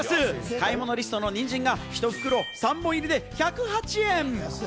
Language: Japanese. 買い物リストのにんじんが一袋３本入りで１０８円。